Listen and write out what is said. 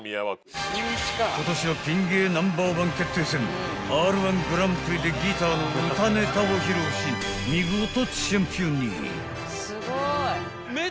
［今年のピン芸ナンバーワン決定戦Ｒ−１グランプリでギターの歌ネタを披露し見事チャンピオンに］